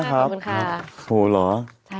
ขอบคุณค่ะ